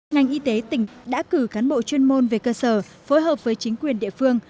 ngành y tế tỉnh đã cử cán bộ chuyên môn về cơ sở phối hợp với chính quyền địa phương